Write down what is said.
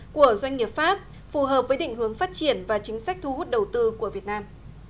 của doanh nghiệp pháp phù hợp với định hướng phát triển và chính sách thu hút đầu tư của việt nam